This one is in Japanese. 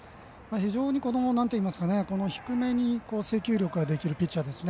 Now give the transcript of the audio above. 非常に低めに制球ができるピッチャーですね。